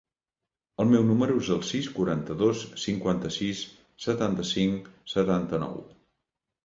El meu número es el sis, quaranta-dos, cinquanta-sis, setanta-cinc, setanta-nou.